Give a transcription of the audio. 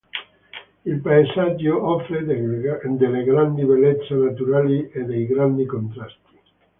Il paesaggio offre delle grandi bellezze naturali e dei grandi contrasti.